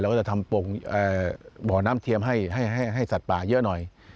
ก็จะทำบ่อน้ำเทียมให้สัตว์ป่าเยอะหน่อย